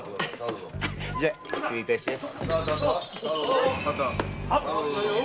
じゃ失礼いたします。